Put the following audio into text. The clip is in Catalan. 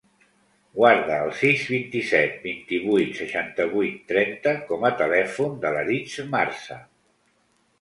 Guarda el sis, vint-i-set, vint-i-vuit, seixanta-vuit, trenta com a telèfon de l'Aritz Marza.